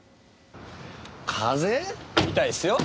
風邪？みたいっすよ。